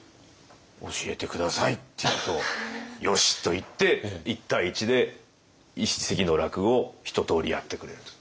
「教えて下さい」って言うと「よし」と言って１対１で一席の落語をひととおりやってくれるという。